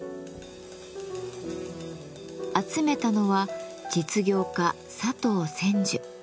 集めたのは実業家・佐藤千壽。